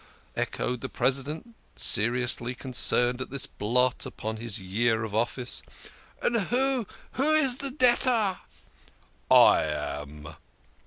echoed the President, seriously concerned at this blot upon his year of office. " And who is the debtor?" " I am."